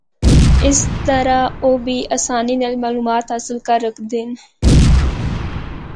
اسطرح او بھی آسانی نال معلومات حاصل کر ہکدے ہن۔